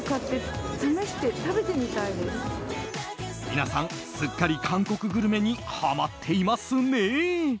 皆さんすっかり韓国グルメにハマっていますね。